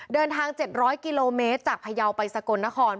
เดินทาง๗๐๐กิโลเมตรจากพยาวไปสกลนคร